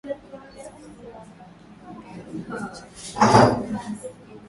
maafisa wa serikali na wabunge kutofanya biashara na serikali